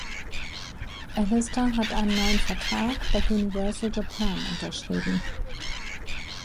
Allister hat einen neuen Vertrag bei Universal Japan unterschrieben.